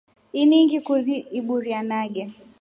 Ini ngikundi iburia nage.